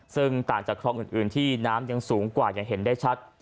ซึ่งต่างจากคลองอื่นที่น้ำยังสูงกว่าอย่างเห็นได้ชัด